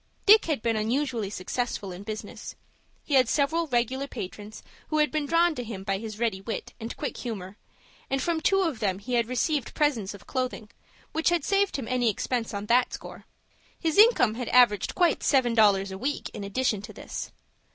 Dick had been unusually successful in business. He had several regular patrons, who had been drawn to him by his ready wit, and quick humor, and from two of them he had received presents of clothing, which had saved him any expense on that score. His income had averaged quite seven dollars a week in addition to this.